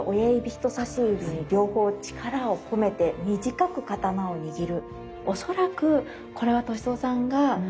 人さし指両方力を込めて短く刀を握る。